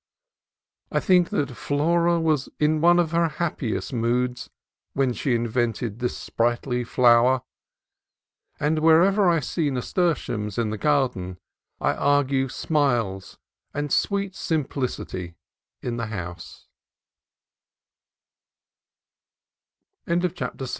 I think that Flora was in one of her happiest moods when she invented this sprightly flower; and wherever I see nastur tiums in the garden I argue smiles and sweet sym plicity in the h